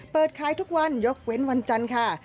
เปิดขายทุกวันยกเว้นวันจันทร์ค่ะ